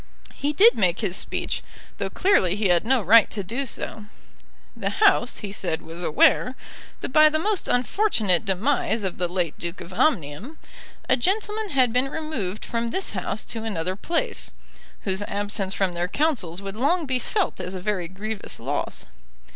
He did make his speech, though clearly he had no right to do so. The House, he said, was aware, that by the most unfortunate demise of the late Duke of Omnium, a gentleman had been removed from this House to another place, whose absence from their counsels would long be felt as a very grievous loss.